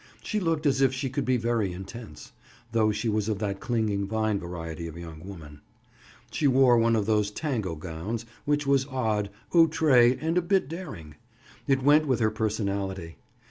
She looked as if she could be very intense, though she was of that clinging vine variety of young woman. She wore one of those tango gowns which was odd, outre and a bit daring. It went with her personality.